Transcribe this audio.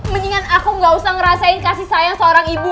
mendingan aku gak usah ngerasain kasih sayang seorang ibu